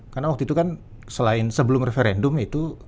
karena waktu itu kan sebelum referendum itu